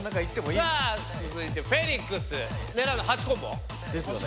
さあ続いてフェニックス狙うのは８コンボ？ですよね。